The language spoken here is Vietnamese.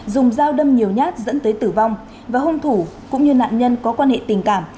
dùng dao đâm nhiều nhát dẫn tới tử vong và hung thủ cũng như nạn nhân có quan hệ tình cảm